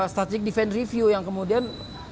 strategic defense review yang kemudian